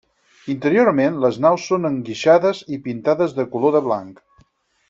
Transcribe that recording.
Interiorment les naus són enguixades i pintades de color de blanc.